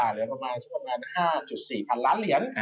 เหลือประมาณ๕๔พันล้านเหรียญ